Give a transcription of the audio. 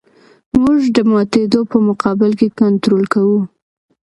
موږ د ماتېدو په مقابل کې کنټرول کوو